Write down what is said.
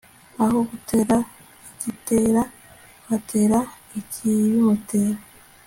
aho gutera gitera watera ikibimutera